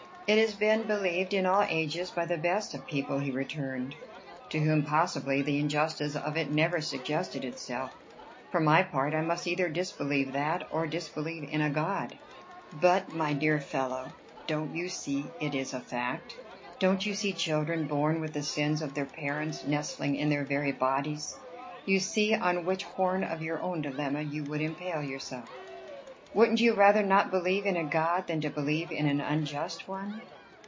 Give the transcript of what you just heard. "It has been believed in all ages by the best of people," he returned. "To whom possibly the injustice of it never suggested itself. For my part, I must either disbelieve that, or disbelieve in a God." "But, my dear fellow, don't you see it is a fact? Don't you see children born with the sins of their parents nestling in their very bodies? You see on which horn of your own dilemma you would impale yourself." "Wouldn't you rather not believe in a God than believe in an unjust one?"